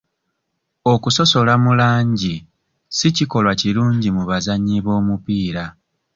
Okusosola mu langi si kikolwa kirungi mu bazannyi b'omupiira.